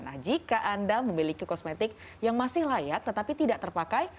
nah jika anda memiliki kosmetik yang masih layak tetapi tidak terpakai